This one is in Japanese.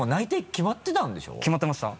決まってました。